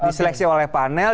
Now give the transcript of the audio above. diseleksi oleh panel